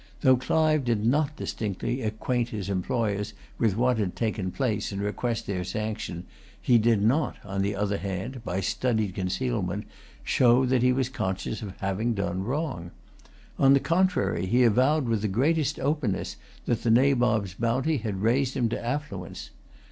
Though Clive did not distinctly acquaint his employers with what had taken place and request their sanction, he did not, on the other hand, by studied concealment, show that he was conscious of having done wrong. On the contrary, he avowed with the greatest openness that the Nabob's bounty had raised him to affluence.